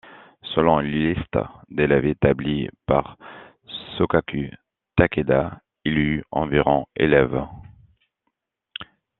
Selon une liste d'élèves établie par Sokaku Takeda, il eut environ élèves.